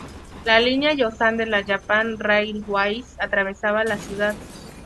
La Línea Yosan de la Japan Railways atravesaba la ciudad.